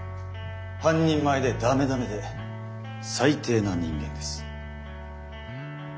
半人前でダメダメで最低な人間です。